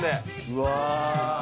うわ！